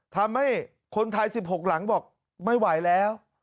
ทำให้คนไทย๑๖หลังบอกไม่ไหวแล้ว